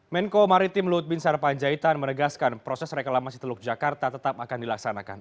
menko maritim luhut bin sar panjaitan menegaskan proses reklamasi teluk jakarta tetap akan dilaksanakan